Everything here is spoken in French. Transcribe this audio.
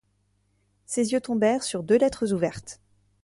Ses yeux tombèrent sur deux lettres ouvertes.